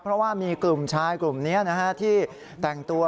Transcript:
เพราะว่ามีกลุ่มชายกลุ่มนี้ที่แต่งตัว